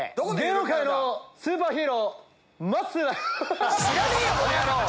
芸能界のスーパーヒーローまっすーだ。